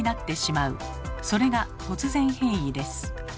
それが突然変異です。